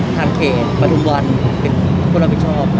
ทานเขตประดูกบอลมันเป็นผู้รับผิดชอบอ่าก่อนคะ